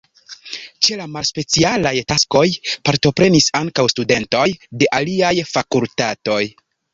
Ĉe la malspecialaj taskoj partoprenis ankaŭ studentoj de aliaj fakultatoj.